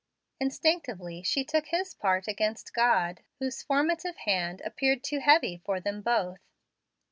Instinctively she took his part against God, whose formative hand appeared too heavy for them both.